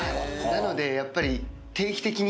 なのでやっぱり。